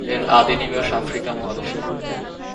এর আদি নিবাস আফ্রিকা মহাদেশে।